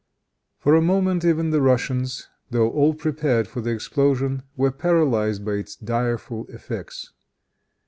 For a moment even the Russians, though all prepared for the explosion, were paralyzed by its direful effects.